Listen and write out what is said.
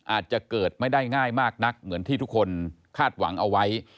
อาจจะเกิดไม่ได้ง่ายมากนักเหมือนที่ทุกคนคาดหวังเอาไว้